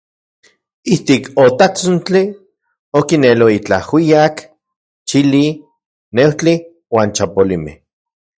Ijtik otatsontli, okinelo itlaj ajuijyak, chili, neujtli uan chapolimej.